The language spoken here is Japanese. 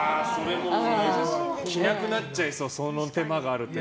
着なくなっちゃいそうその手間があると。